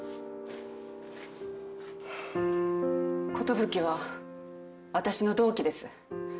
寿は私の同期です。